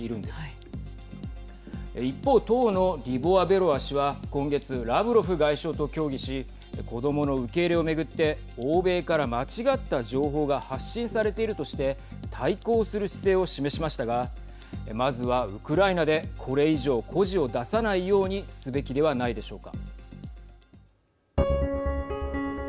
一方当のリボワベロワ氏は今月ラブロフ外相と協議し子どもの受け入れを巡って欧米から間違った情報が発信されているとして対抗する姿勢を示しましたがまずは、ウクライナでこれ以上孤児を出さないようにすべきではないでしょうか。